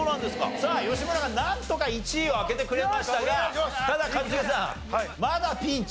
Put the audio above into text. さあ吉村がなんとか１位を開けてくれましたがただ一茂さんまだピンチ。